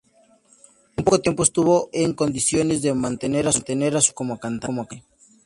En poco tiempo estuvo en condiciones de mantener a su familia como cantante.